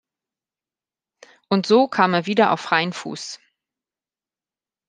Und so kam er wieder auf freien Fuß.